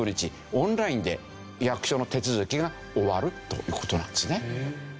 オンラインで役所の手続きが終わるという事なんですね。